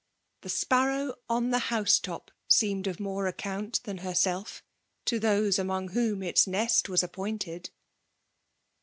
The sparrow on the house top seemed of more account than herself, to those among whom its nest was appointed.